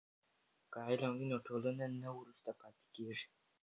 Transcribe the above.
که علم وي نو ټولنه نه وروسته پاتې کیږي.